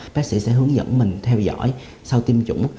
bác sĩ sẽ hướng dẫn mình theo dõi sau tiêm chủng